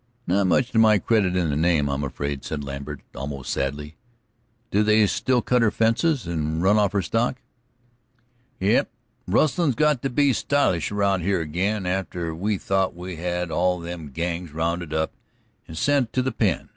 "Not much to my credit in the name, I'm afraid," said Lambert, almost sadly. "Do they still cut her fences and run off her stock?" "Yes; rustlin's got to be stylish around here ag'in, after we thought we had all them gangs rounded up and sent to the pen.